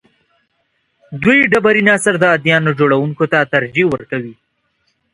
دوی ډبرین عصر د اديانو جوړونکو ته ترجیح ورکوي.